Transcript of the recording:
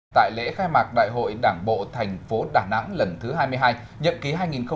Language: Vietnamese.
tại lễ khai mạc đại hội đảng bộ thành phố đà nẵng lần thứ hai mươi hai nhậm ký hai nghìn hai mươi hai nghìn hai mươi năm